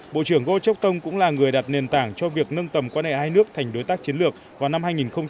bộ trưởng goh chok tong cũng là người đặt nền tảng cho việc nâng tầm quan hệ hai nước thành đối tác chiến lược vào năm hai nghìn một mươi ba